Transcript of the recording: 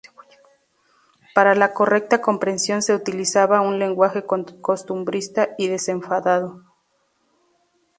Para la correcta comprensión se utilizaba un lenguaje costumbrista y desenfadado.